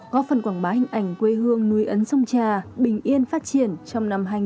góp phần quảng bá hình ảnh quê hương núi ấn sông trà bình yên phát triển trong năm hai nghìn hai mươi